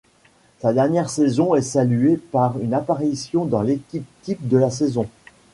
Sa dernière saison est saluée par une apparition dans l'équipe-type de la saison.